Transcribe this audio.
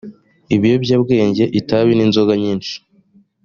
ibiyobyabwenge itabi n inzoga nyinshi